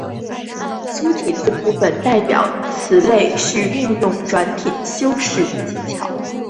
粗体字部分代表该词类是运用转品修辞技巧。